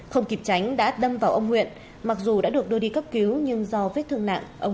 không kịp tránh đã đâm vào ông nguyện mặc dù đã được đưa đi cấp cứu nhưng do vết thương nặng ông nguyện đã tử vong